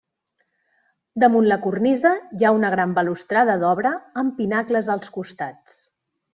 Damunt la cornisa hi ha una gran balustrada d'obra amb pinacles als costats.